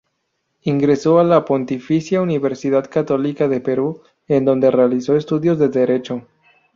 Ingresó a la Pontificia Universidad Católica del Perú, en dónde realizó estudios de derecho.